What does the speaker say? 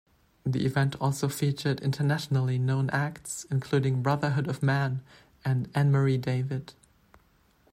The event also featured internationally known acts including Brotherhood of Man and Anne-Marie David.